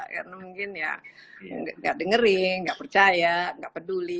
karena mungkin ya tidak mendengarkan tidak percaya tidak peduli